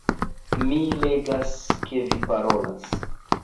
Mi legas, ke vi parolas